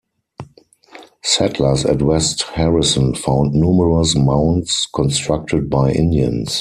Settlers at West Harrison found numerous mounds constructed by Indians.